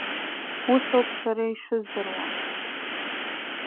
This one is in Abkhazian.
Ус ауп сара ишыздыруа.